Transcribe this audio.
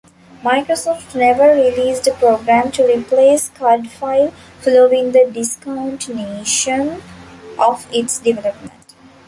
Microsoft never released a program to replace Cardfile following the discontinuation of its development.